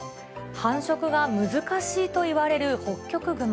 繁殖が難しいといわれるホッキョクグマ。